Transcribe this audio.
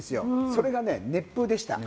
それが熱風でした。